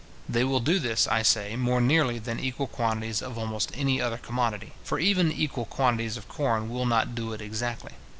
They will do this, I say, more nearly than equal quantities of almost any other commodity; for even equal quantities of corn will not do it exactly.